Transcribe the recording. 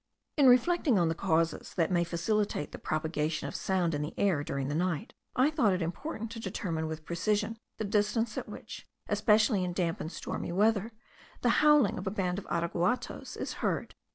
In reflecting on the causes that may facilitate the propagation of sound in the air during the night, I thought it important to determine with precision the distance at which, especially in damp and stormy weather, the howling of a band of araguatos is heard.